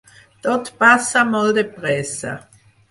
Tot passa molt de pressa.